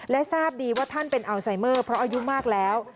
และทราบดีว่าท่านเป็นอัลไซเมอร์เพราะอายุมากแล้ว